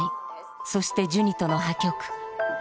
そしてジュニとの破局。